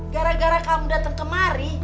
gara gara kamu datang kemari